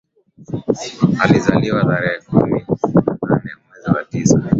Alizaliwa tarehe kumi na nane mwezi wa tisa